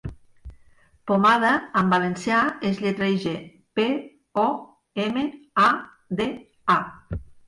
'Pomada' en valencià es lletreja: pe, o, eme, a, de, a.